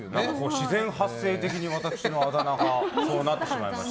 自然発生的に私のあだ名がそうなってしまいました。